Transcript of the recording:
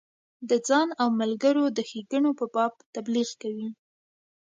د ځان او ملګرو د ښیګڼو په باب تبلیغ کوي.